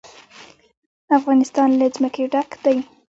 افغانستان له ځمکه ډک دی.